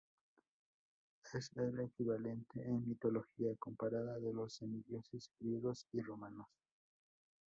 Es el equivalente en mitología comparada de los semidioses griegos y romanos.